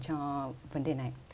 cho vấn đề này